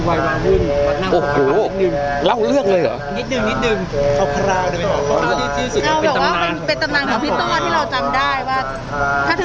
พี่ไม่อยากได้เริ่มดู